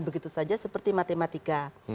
begitu saja seperti matematika